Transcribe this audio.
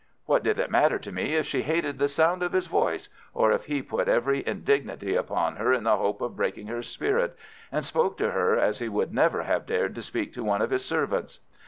What did it matter to me if she hated the sound of his voice, or if he put every indignity upon her in the hope of breaking her spirit, and spoke to her as he would never have dared to speak to one of his servants?